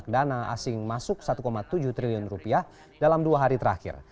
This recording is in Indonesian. dana asing masuk satu tujuh triliun rupiah dalam dua hari terakhir